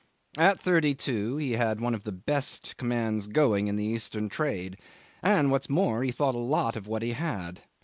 At thirty two he had one of the best commands going in the Eastern trade and, what's more, he thought a lot of what he had.